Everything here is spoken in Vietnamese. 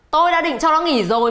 tôi đã định cho nó nghỉ rồi